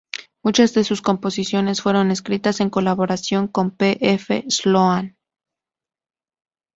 Muchas de sus composiciones fueron escritas en colaboración con P. F. Sloan.